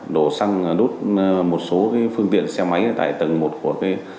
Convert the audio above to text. đổ xăng đốt một số phương tiện xe máy tại tầng một của số nhà bốn ngõ sáu mươi tổ bốn phú đô